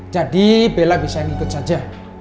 jadi bella bisa ikut saja